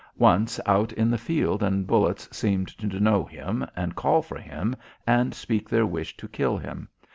Once out in the field and bullets seemed to know him and call for him and speak their wish to kill him.